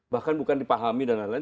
bahkan bukan dipahami dan lain lain